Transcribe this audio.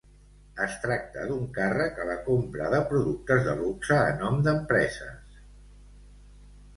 Es tracta d'un càrrec a la compra de productes de luxe a nom d'empreses.